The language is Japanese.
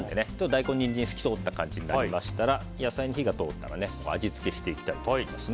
大根、ニンジン透き通った感じになったら野菜に火が通ったら味付けしていきたいと思います。